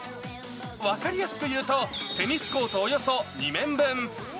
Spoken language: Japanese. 分かりやすく言うと、テニスコートおよそ２面分。